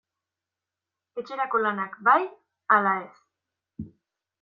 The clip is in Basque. Etxerako lanak bai ala ez?